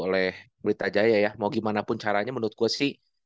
oleh pelita jaya ya mau gimana pun caranya menurut gue sih